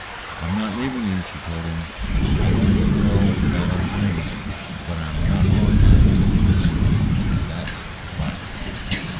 "I am not leaving you," she told him. "I don't even know that I am blaming you. But I am not going to have anything to do with it, and that's flat."